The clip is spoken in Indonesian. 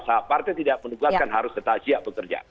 saat partai tidak menugaskan harus tetap siap bekerja